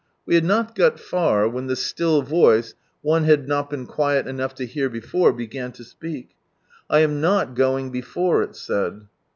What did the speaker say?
We had not got far when the Still Voice, one had not been quiec enough to hear before, began to speak. " I am not going before," It said.